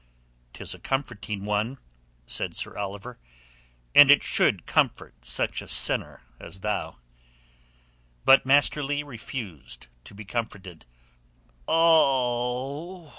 "'Tis a comforting one," said Sir Oliver, "and it should comfort such a sinner as thou." But Master Leigh refused to be comforted. "Oh!"